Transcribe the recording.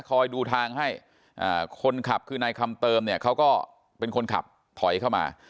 คอยดูทางให้คนขับคือนายคำเติมเนี่ยเขาก็เป็นคนขับถอยเข้ามา